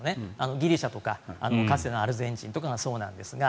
ギリシャとかかつてのアルゼンチンとかがそうなんですが。